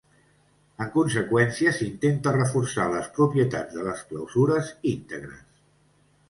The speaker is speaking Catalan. En conseqüència s'intenta reforçar les propietats de les clausures íntegres.